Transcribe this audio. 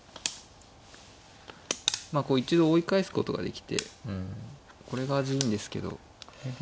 まあこう一度追い返すことができてこれが味いいんですけど。